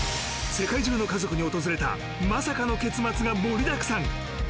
世界中の家族に訪れたマサカの結末が盛りだくさん。